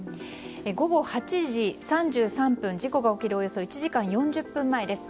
午後８時３３分、事故が起きるおよそ１時間４０分前です。